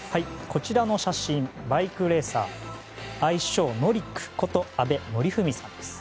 こちらの写真バイクレーサー愛称ノリックこと阿部典史さんです。